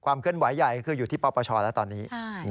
เคลื่อนไหวใหญ่คืออยู่ที่ปปชแล้วตอนนี้